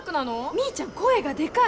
ミーちゃん声がデカい！